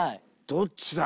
どっちだ？